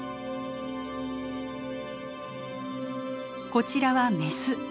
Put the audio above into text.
こちらはメス。